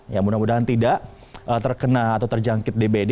ya mudah mudahan tidak terkena atau terjangkit dbd